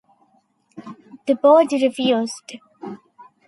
The Board refused.